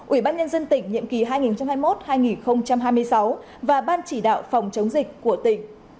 ủy ban nhân dân tỉnh nhiệm kỳ hai nghìn hai mươi một hai nghìn hai mươi sáu và ban chỉ đạo phòng chống dịch của tỉnh